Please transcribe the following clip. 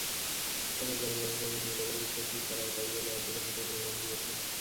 আমরা যেমন গণতান্ত্রিক মূল্যবোধে বিশ্বাসী, তারাও তা–ই বলে অন্তত ভোটে প্রমাণ দিয়েছে।